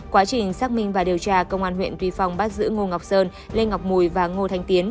quá trình xác minh và điều tra công an huyện tuy phong bắt giữ ngô ngọc sơn lê ngọc mùi và ngô thanh tiến